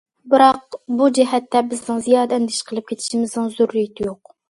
بىراق، بۇ جەھەتتە بىزنىڭ زىيادە ئەندىشە قىلىپ كېتىشىمىزنىڭ زۆرۈرىيىتى يوق.